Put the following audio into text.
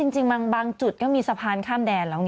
จริงบางจุดก็มีสะพานข้ามแดนแล้วไง